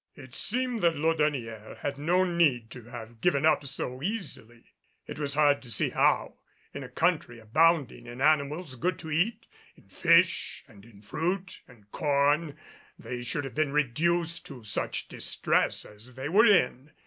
It seemed that Laudonnière had no need to have given up so easily. It was hard to see how, in a country abounding in animals good to eat, in fish and in fruit and corn, they should have been reduced to such distress as they were in.